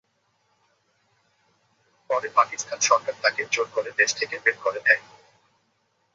পরে পাকিস্তান সরকার তাঁকে জোর করে দেশ থেকে বের করে দেয়।